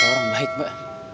orang baik mbak